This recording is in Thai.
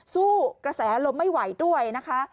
สู้กระแสลมไม่ไหวด้วยนะคะ